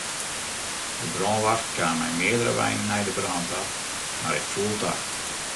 De brânwacht kaam mei meardere weinen nei de brân ta, mar it foel ta.